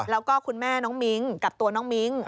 แล้วก็คุณแม่น้องมิ้งกับตัวน้องมิ้ง